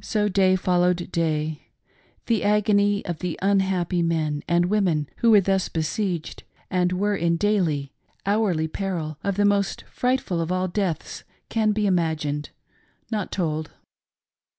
Sp day followed day. The agony of the unhappy men and women who were thus besieged and were in daily, hourly peril of the most frightful of all deaths can be imagined — not told.